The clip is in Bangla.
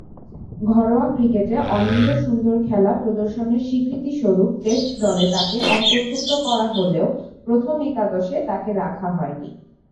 ঘরোয়া ক্রিকেটে অনিন্দ্য সুন্দর খেলা প্রদর্শনের স্বীকৃতিস্বরূপ টেস্ট দলে তাকে অন্তর্ভুক্ত করা হলেও প্রথম একাদশে তাকে রাখা হয়নি।